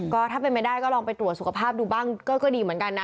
ก็ถ้าเป็นไปได้ก็ลองไปตรวจสุขภาพดูบ้างก็ดีเหมือนกันนะ